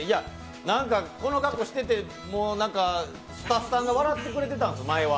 なんかこの格好してて、スタッフさんが前は笑ってくれてたんです。